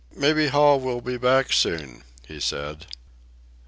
"Maybe Hall will be back soon," he said.